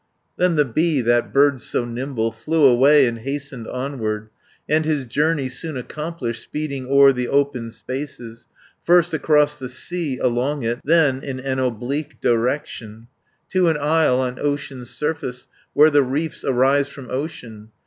360 "Then the bee, that bird so nimble, Flew away, and hastened onward, And his journey soon accomplished, Speeding o'er the open spaces, First across the sea, along it, Then in an oblique direction, To an isle on ocean's surface, Where the reefs arise from ocean.